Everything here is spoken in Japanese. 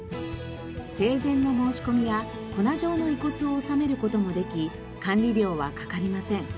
生前の申し込みや粉状の遺骨を納める事もでき管理料はかかりません。